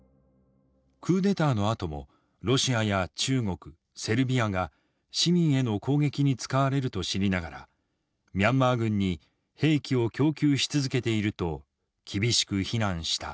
クーデターのあともロシアや中国セルビアが市民への攻撃に使われると知りながらミャンマー軍に兵器を供給し続けていると厳しく非難した。